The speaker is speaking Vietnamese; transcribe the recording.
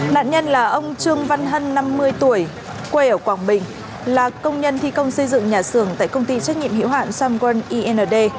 nạn nhân là ông trương văn hân năm mươi tuổi quê ở quảng bình là công nhân thi công xây dựng nhà xưởng tại công ty trách nhiệm hiệu hạn somwan ind